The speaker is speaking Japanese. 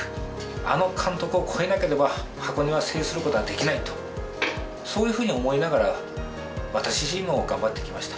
あの監督を超えなければ、箱根は制することはできないと、そういうふうに思いながら、私自身も頑張ってきました。